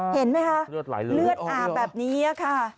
เห็นไหมคะเลือดอาแบบนี้ค่ะ